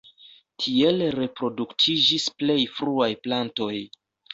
Tiel reproduktiĝis plej fruaj plantoj.